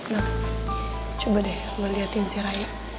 nah coba deh gue liatin si raya